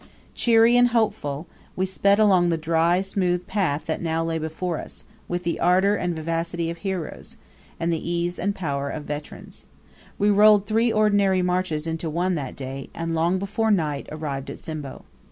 Cheery and hopeful, we sped along the dry, smooth path that now lay before us, with the ardor and vivacity of heroes, and the ease and power of veterans, We rolled three ordinary marches into one that day, and long before night arrived at Simbo.